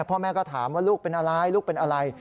พ่อแม่ก็ถามว่าลูกเป็นอะไรลูกเป็นอะไร